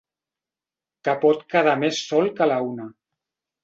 Que pot quedar més sol que la una.